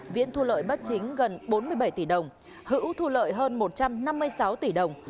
viễn thu lợi bất chính gần bốn mươi bảy tỷ đồng hữu thu lợi hơn một trăm năm mươi sáu tỷ đồng